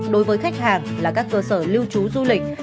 đối với khách hàng là các cơ sở lưu trú du lịch